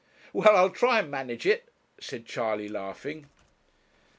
'Well, I'll try and manage it,' said Charley, laughing.